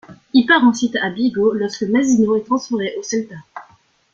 Il part ensuite à Vigo lorsque Mazinho est transféré au Celta.